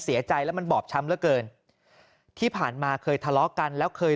เสียใจแล้วมันบอบช้ำเหลือเกินที่ผ่านมาเคยทะเลาะกันแล้วเคย